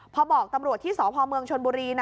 พอบอกตำรวจที่สบชนบุรี